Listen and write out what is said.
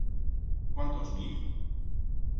Cuán tos n'iz?